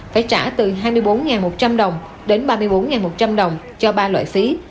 phải trả từ hai mươi bốn một trăm linh đồng đến ba mươi bốn một trăm linh đồng cho ba loại phí